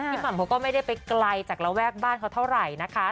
หม่ำเขาก็ไม่ได้ไปไกลจากระแวกบ้านเขาเท่าไหร่นะคะ